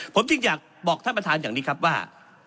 ผมจึงอยากบอกท่านประธานอย่างนี้ครับว่า